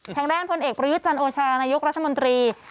ทางด้านพลเอกประยุทธ์จันโอชานายกรัฐมนตรี